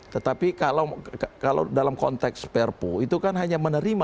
tetapi kalau dalam konteks perpu itu kan hanya menerima